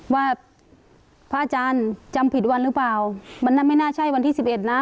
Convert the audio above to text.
ว่าพระอาจารย์จำผิดวันหรือเปล่าวันนั้นไม่น่าใช่วันที่สิบเอ็ดนะ